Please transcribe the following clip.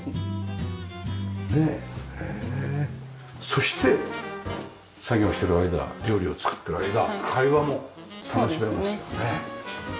そして作業してる間料理を作ってる間会話も楽しめますよね。